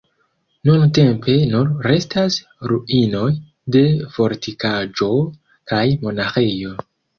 Nuntempe nur restas ruinoj de fortikaĵo kaj monaĥejo.